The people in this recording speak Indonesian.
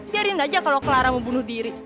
biarin aja kalau clara membunuh diri